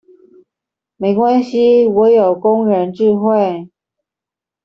沒關係我有工人智慧